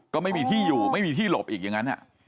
ก็ไม่มีที่อยู่ไม่มีที่หลบอีกอย่างนั้น